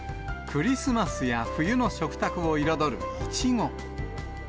クリスマスや冬の食卓を彩るイチゴ。